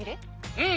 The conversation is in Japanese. うん！